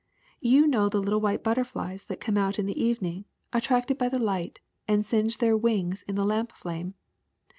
You know the little white butterflies that come in the evening, attracted by the light, and singe their wings in the lamp flame.